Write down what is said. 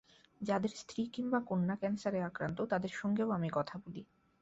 যাঁদের স্ত্রী কিংবা কন্যা ক্যানসারে আক্রান্ত, তাঁদের সঙ্গেও আমি কথা বলি।